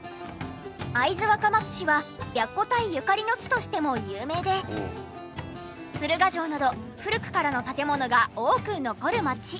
会津若松市は白虎隊ゆかりの地としても有名で鶴ヶ城など古くからの建物が多く残る街。